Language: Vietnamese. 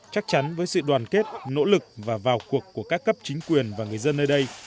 chắc chắn với sự đoàn kết nỗ lực và vào cuộc của các cấp chính quyền và người dân nơi đây